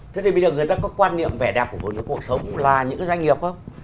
thế thì bây giờ người ta có quan niệm vẻ đẹp của cuộc sống là những doanh nghiệp không